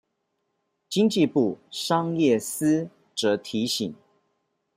經濟部商業司則提醒